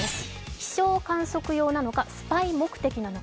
気象観測用なのか、スパイ目的なのか。